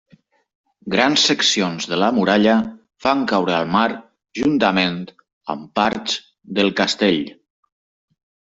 Grans seccions de la muralla van caure al mar juntament amb parts del castell.